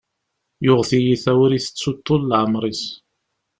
Yuɣ tiyita ur itettu ṭṭul n leɛmer-is.